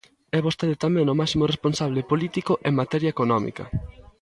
É vostede tamén o máximo responsable político en materia económica.